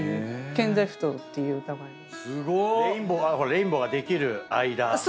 レインボーができる間。